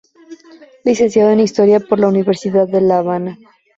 Licenciado en historia por la Universidad de La Habana.